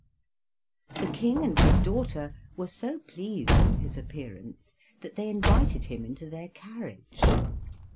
The King and his daughter were so pleased with his appearance that they invited him into their carriage.